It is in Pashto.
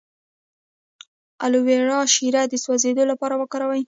د الوویرا شیره د سوځیدو لپاره وکاروئ